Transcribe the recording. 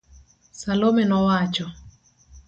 Salome nowacho